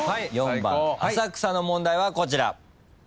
浅草の問題はこちら。